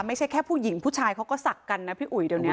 ไม่ใช่แค่ผู้หญิงผู้ชายเขาก็ศักดิ์กันนะพี่อุ๋ยเดี๋ยวนี้